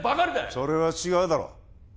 それは違うだろう